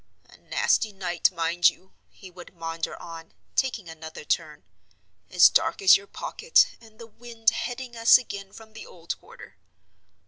"A nasty night, mind you," he would maunder on, taking another turn. "As dark as your pocket, and the wind heading us again from the old quarter."